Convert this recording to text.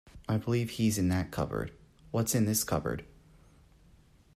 I believe he's in that cupboard. What's in this cupboard?